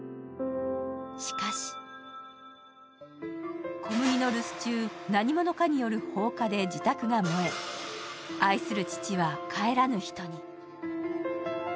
しかし心麦の留守中、何者かによる放火で、自宅が燃え、愛する父は帰らぬ人に。